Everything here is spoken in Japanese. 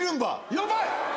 やばい！